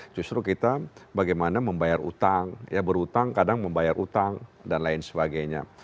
justru kita bagaimana membayar utang ya berhutang kadang membayar utang dan lain sebagainya